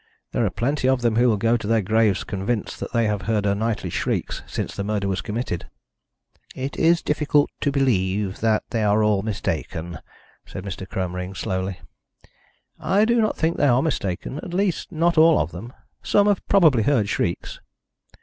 There are plenty of them who will go to their graves convinced that they have heard her nightly shrieks since the murder was committed." "It is difficult to believe that they are all mistaken," said Mr. Cromering slowly. "I do not think they are mistaken at least, not all of them. Some have probably heard shrieks."